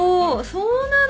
そうなの。